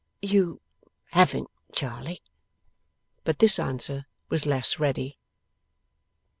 'You haven't, Charley.' But this answer was less ready.